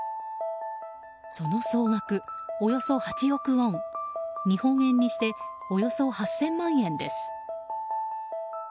その総額、およそ８億ウォン日本円にしておよそ８０００万円です。